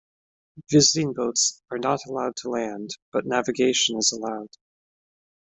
Visiting boats are not allowed to land, but navigation is allowed.